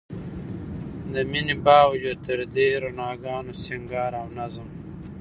د مينې باوجود تر دې رڼاګانو، سينګار او نظم